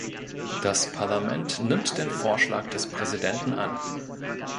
Das Parlament nimmt den Vorschlag des Präsidenten an.